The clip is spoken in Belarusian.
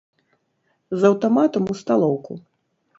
З аўтаматам у сталоўку.